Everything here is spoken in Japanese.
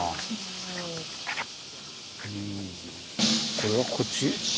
これはこっちあ？